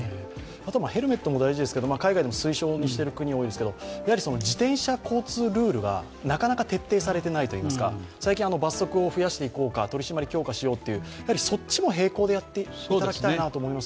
あとはヘルメットも大事ですが、海外でも推奨している国も多いですが自転車交通ルールがなかなか徹底されていないといいますか、最近罰則を増やしていこうか、取り締まりを強化しようという、そっちも並行でやっていただきたいと思います。